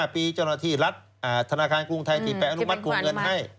ปีเจ้าหน้าที่รัฐธนาคารกรุงไทยที่ไปอนุมัติกวงเงินให้